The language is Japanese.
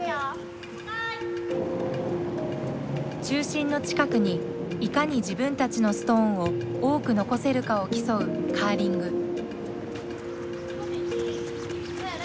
中心の近くにいかに自分たちのストーンを多く残せるかを競うカーリング。